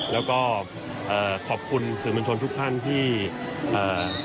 แล้วก็ขอบคุณสื่อมวลชนทุกท่านที่ปฏิบัติงาน